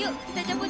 yuk kita cabut